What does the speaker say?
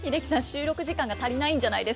収録時間が足りないんじゃないですか？